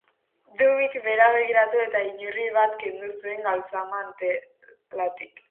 Dummyk behera begiratu eta inurri bat kendu zuen galtzamantaletik.